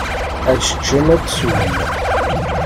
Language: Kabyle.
Ad teččem, ad teswem.